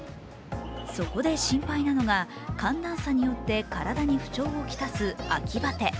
そこで心配なのが、寒暖差によって体に不調を来す秋バテ。